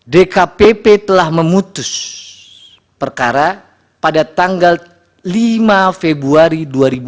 dkpp telah memutus perkara pada tanggal lima februari dua ribu dua puluh